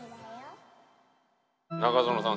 中園さん